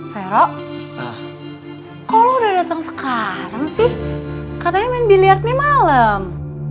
vero kalau udah datang sekarang sih katanya main bilyak nih malem